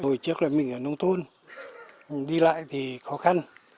hồi trước là mình ở nông thôn đi lại thì khó khăn